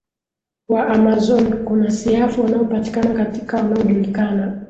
wa Amazon kuna siafu wanaopatikana katika wanaojulikana